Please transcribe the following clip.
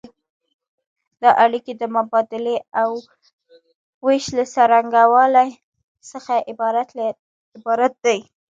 دا اړیکې د مبادلې او ویش له څرنګوالي څخه عبارت دي.